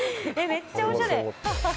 めっちゃおしゃれ！